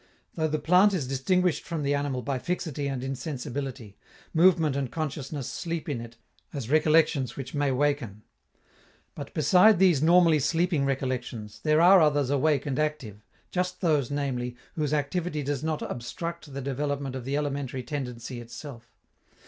Though the plant is distinguished from the animal by fixity and insensibility, movement and consciousness sleep in it as recollections which may waken. But, beside these normally sleeping recollections, there are others awake and active, just those, namely, whose activity does not obstruct the development of the elementary tendency itself.